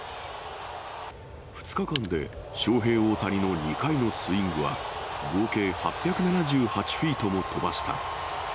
２日間でショウヘイ・オオタニの２回のスイングは、合計８７８フィートも飛ばした。